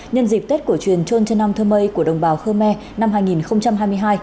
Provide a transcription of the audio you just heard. nhân dịp tết cổ truyền trôn trân nam thơ mây của đồng bào khơ me năm hai nghìn hai mươi hai